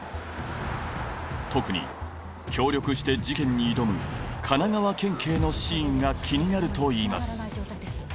特に協力して事件に挑む神奈川県警のシーンが気になるといいます